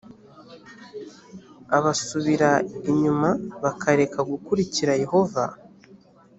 abasubira inyuma bakareka gukurikira yehova